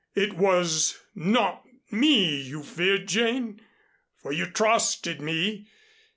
It was not me you feared, Jane, for you trusted me.